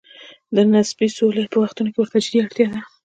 د نسبي سولې په وختونو کې ورته جدي اړتیا ده.